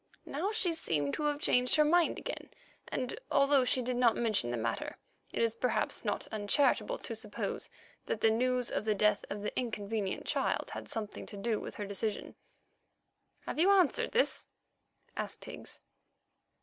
Now she seemed to have changed her mind again, and, although she did not mention the matter, it is perhaps not uncharitable to suppose that the news of the death of the inconvenient child had something to do with her decision. "Have you answered this?" asked Higgs.